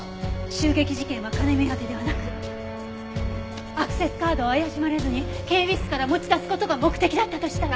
襲撃事件は金目当てではなくアクセスカードを怪しまれずに警備室から持ち出す事が目的だったとしたら。